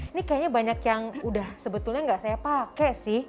ini kayaknya banyak yang udah sebetulnya nggak saya pakai sih